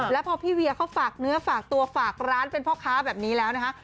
แล้วพอพี่เวียเขาฝากเนื้อฝากตัวฝากร้านเป็นพ่อค้าแบบนี้แล้วนะคะ